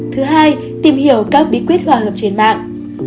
thứ hai tìm hiểu các bí quyết hòa hợp trên mạng